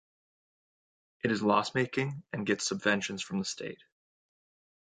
It is loss-making and gets subventions from the state.